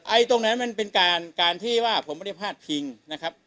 ตรงนั้นมันเป็นการการที่ว่าผมไม่ได้พาดพิงนะครับ